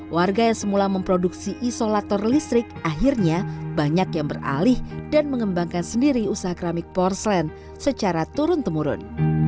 warga yang semula memproduksi isolator listrik akhirnya banyak yang beralih dan mengembangkan sendiri usaha keramik porslen secara turun temurun